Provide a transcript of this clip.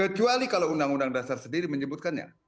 kecuali kalau undang undang dasar sendiri menyebutkannya